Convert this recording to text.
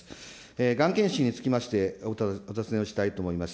がん検診につきましてお尋ねをしたいと思います。